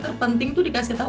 terpenting itu dikasih tau